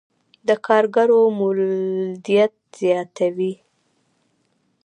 د کارګرو مولدیت زیاتوي.